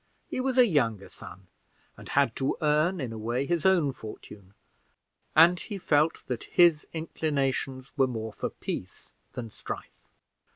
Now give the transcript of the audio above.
He was a younger son, and had to earn, in a way, his own fortune, and he felt that his inclinations were more for peace than strife.